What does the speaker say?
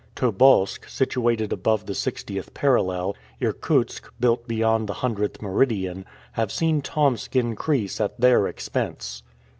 Tobolsk, situated above the sixtieth parallel; Irkutsk, built beyond the hundredth meridian have seen Tomsk increase at their expense.